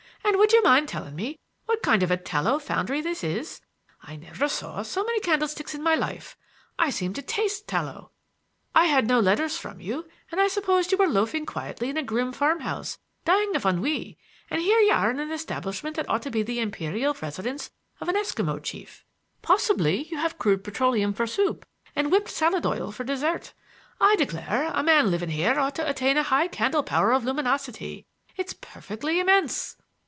And would you mind telling me what kind of a tallow foundry this is? I never saw so many candlesticks in my life. I seem to taste tallow. I had no letters from you, and I supposed you were loafing quietly in a grim farm house, dying of ennui, and here you are in an establishment that ought to be the imperial residence of an Eskimo chief. Possibly you have crude petroleum for soup and whipped salad oil for dessert. I declare, a man living here ought to attain a high candle power of luminosity. It's perfectly immense."